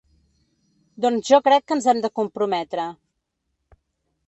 Doncs jo crec que ens hem de comprometre.